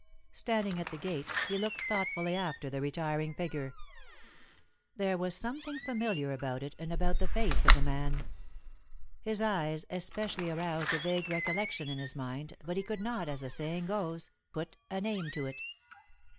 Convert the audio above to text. Standing at the gate, he looked thoughtfully after the retiring figure. There was something familiar about it and about the face of the man. His eyes especially aroused a vague recollection in his mind, but he could not, as the saying goes, "put a name to it."